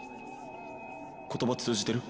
言葉通じてる？